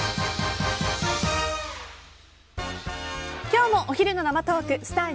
今日もお昼の生トークスター☆